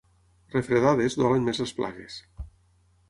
Refredades, dolen més les plagues.